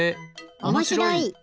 おもしろい！